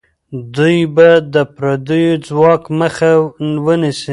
دوی به د پردیو ځواک مخه ونیسي.